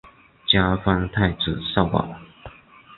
加封太子少保。